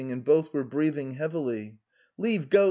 And both were breathing heavily. t( Let go